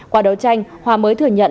qua đấu tranh hòa mới thừa nhận